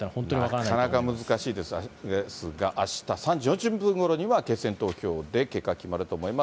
なかなか難しいですが、あした３時４０分ごろには決選投票で結果が決まると思います。